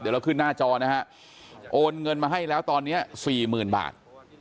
เดี๋ยวเราขึ้นหน้าจอนะฮะโอนเงินมาให้แล้วตอนนี้สี่หมื่นบาท